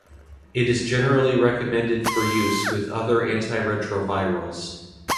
It is generally recommended for use with other antiretrovirals.